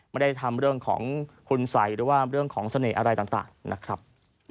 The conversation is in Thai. ไม่ได้ทำเรื่องของคุณสัยหรือว่าเรื่องของเสน่ห์อะไรต่างนะครับ